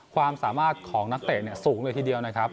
ความสามารถของนักเตะสูงเลยทีเดียวนะครับ